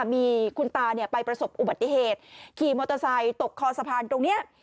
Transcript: มีคุณตาไปประสบอุบัติเหตุขี่มอเตอร์ไซค์ตกคอสะพานตรงนี้